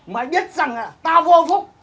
mày biết rằng là tao vô phúc